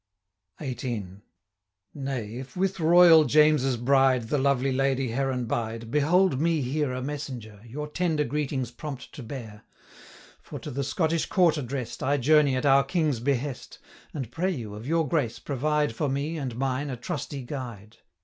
XVIII. 'Nay, if with Royal James's bride The lovely Lady Heron bide, Behold me here a messenger, 290 Your tender greetings prompt to bear; For, to the Scottish court address'd, I journey at our King's behest, And pray you, of your grace, provide For me, and mine, a trusty guide.